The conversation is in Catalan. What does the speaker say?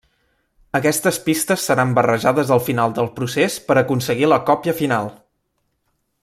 Aquestes pistes seran barrejades al final del procés per aconseguir la còpia final.